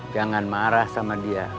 jangan marah sama dia